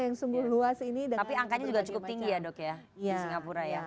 tapi angkanya juga cukup tinggi ya dok ya di singapura ya